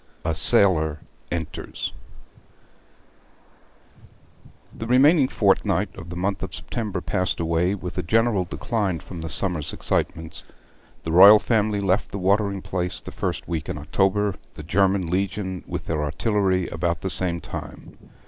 XXXV. A SAILOR ENTERS The remaining fortnight of the month of September passed away, with a general decline from the summer's excitements. The royal family left the watering place the first week in October, the German Legion with their artillery about the same time.